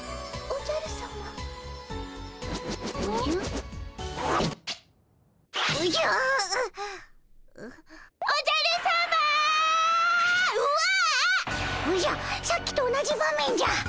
おじゃさっきと同じ場面じゃ。